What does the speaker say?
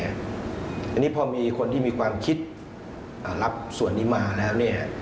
อันนี้พอมีคนที่มีความคิดรับส่วนนี้มาแล้ว